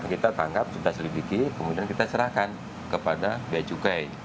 kita tangkap kita selidiki kemudian kita serahkan kepada biaya cukai